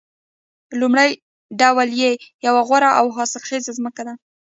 لومړی ډول یې یوه غوره او حاصلخیزه ځمکه ده